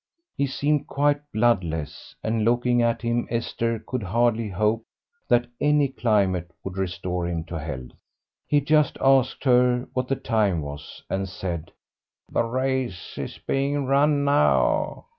He seemed quite bloodless, and looking at him Esther could hardly hope that any climate would restore him to health. He just asked her what the time was, and said, "The race is being run now."